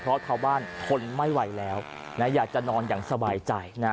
เพราะท้าวบ้านทนไม่ไหวแล้วอยากจะนอนสบายใจ